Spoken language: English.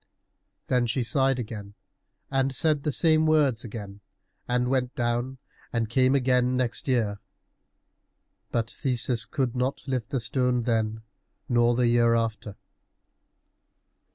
Then she sighed again and said the same words again, and went down and came again next year. But Theseus could not lift the stone then, nor the year after.